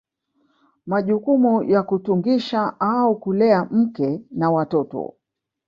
Majukumu ya kutungisha au kulea mke na watoto